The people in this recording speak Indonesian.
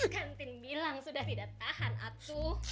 kan tin bilang sudah tidak tahan atu